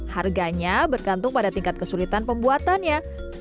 harganya bergantung pada tingkat kesulitan pembuatannya